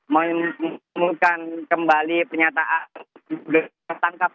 memulakan kembali penyataan bertangkap